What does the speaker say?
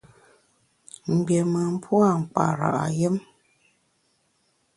Mgbiémùn pua’ mkpara’ yùm.